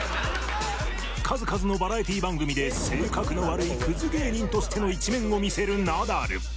数々のバラエティー番組で性格の悪いクズ芸人としての一面を見せるナダル。